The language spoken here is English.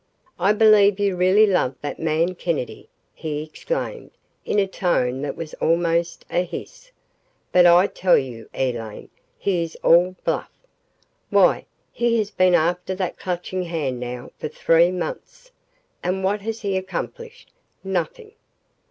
"I believe you really love that man Kennedy," he exclaimed, in a tone that was almost a hiss. "But I tell you, Elaine, he is all bluff. Why, he has been after that Clutching Hand now for three months and what has he accomplished? Nothing!"